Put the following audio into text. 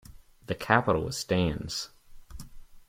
The capital is Stans.